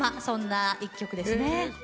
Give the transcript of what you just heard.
そんな一曲ですね。